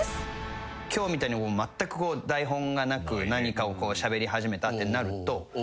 今日みたいにまったく台本がなく何かをしゃべり始めたってなると。